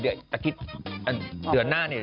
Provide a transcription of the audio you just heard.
เดี๋ยวตะคิดเดือนหน้าเนี่ย